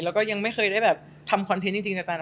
แล้วก็ยังไม่เคยได้แบบทำคอนเทนต์จริงแต่ตอนนั้น